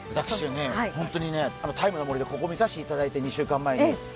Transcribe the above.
私は本当に「ＴＩＭＥ，の森」でここを見させていただいて、２週間前に。